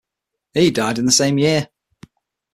He died in the same year.